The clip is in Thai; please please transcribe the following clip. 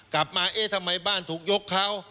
กลับมาเอ๊ะทำไมบ้านถูกยกเขา